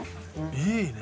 いいね！